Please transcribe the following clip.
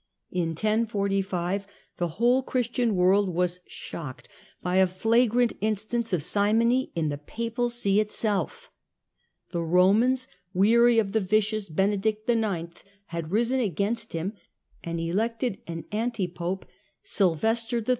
In 1045 the whole Christian world was shocked by a flagrant instance of simony in the Papal See itself. The Eomans, weary of the vicious Benedict IX., had risen against him and elected an anti pope, Sylvester III.